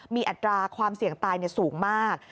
มีอัตราความเสี่ยงตายสูงมาก